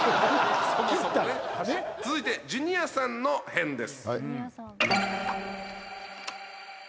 切ったらね続いてジュニアさんの変です